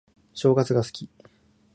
正月が好き